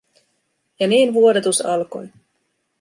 Ja niin vuodatus alkoi.